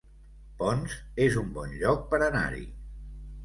Ponts es un bon lloc per anar-hi